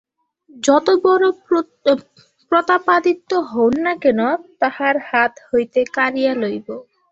যতবড়ো প্রতাপাদিত্য হউন না কেন, তাঁহার হাত হইতে কাড়িয়া লইব।